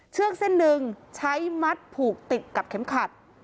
เชือกเส้นหนึ่งใช้มัดผูกติดกับเข็มขัด